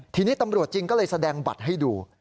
ทีนี้ตำรวจจริงก็เลยแสดงบัตรให้ดู